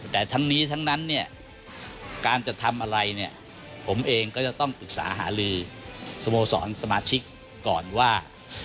แต่ทั้งนี้ทั้งนั้นเนี่ยการจะทำอะไรเนี่ยผมเองก็จะต้องปรึกษาหาลือสโมสรสมาชิกก่อนว่า